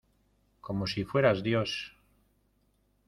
como si fueras Dios.